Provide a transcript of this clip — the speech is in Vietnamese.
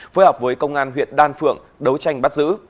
phối hợp với công an huyện đan phượng đấu tranh bắt giữ